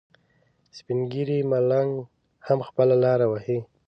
سپین ږیری ملنګ هم خپله لاره وهي.